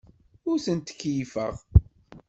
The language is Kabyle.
Ur ten-ttkeyyifeɣ.